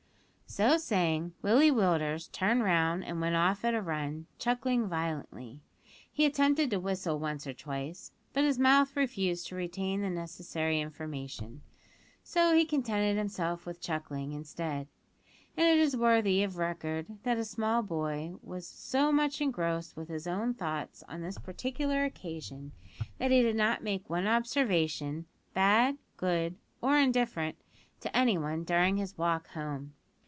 So saying, Willie Willders turned round and went off at a run, chuckling violently. He attempted to whistle once or twice, but his mouth refused to retain the necessary formation, so he contented himself with chuckling instead. And it is worthy of record that that small boy was so much engrossed with his own thoughts on this particular occasion that he did not make one observation, bad, good, or indifferent, to any one during his walk home.